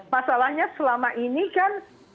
masalahnya selama ini kan